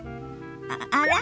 あら？